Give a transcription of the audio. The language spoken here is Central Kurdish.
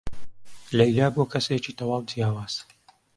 لەیلا بووە کەسێکی تەواو جیاواز.